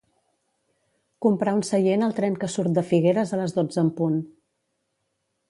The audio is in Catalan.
Comprar un seient al tren que surt de Figueres a les dotze en punt.